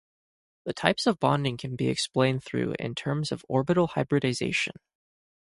The types of bonding can be explained through in terms of orbital hybridization.